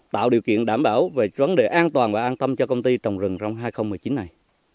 tạo điều kiện đảm bảo về vấn đề an toàn và an tâm cho công ty trồng rừng trong hai nghìn một mươi chín này